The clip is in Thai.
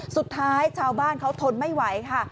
สุดท้ายชาวบ้านเขาทนไม่ไหวค่ะ